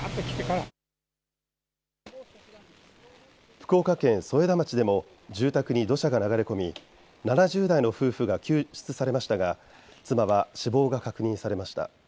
福岡県添田町でも住宅に土砂が流れ込み７０代の夫婦が救出されましたが妻は死亡が確認されました。